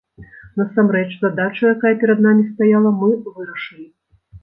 Насамрэч, задачу, якая перад намі стаяла, мы вырашылі.